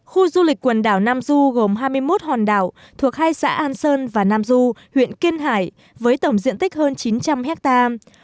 khu du lịch quần đảo nam du gồm hai mươi một hòn đảo thuộc hai xã an sơn và nam du huyện kiên hải với tổng diện tích hơn chín trăm linh hectare